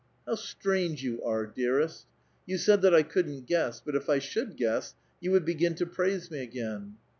"How strange you are, dearest [^mileyiki] I You said that I couldn't guess ; but if I should guess, you would begin to praisj me again."